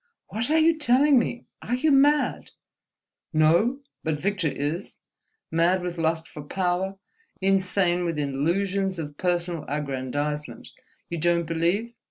"What are you telling me? Are you mad?" "No—but Victor is, mad with lust for power, insane with illusions of personal aggrandizement. You don't believe?